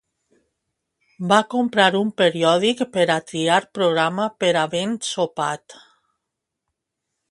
Va comprar un periòdic per a triar programa per havent sopat.